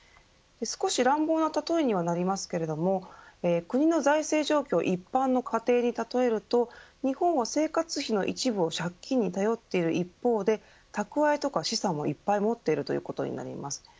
少し乱暴な例えにはなりますけれども国の財政状況を一般の家庭で例えると日本は生活費の一部を借金に頼っている一方で蓄えとか資産もいっぱい持っているということになります。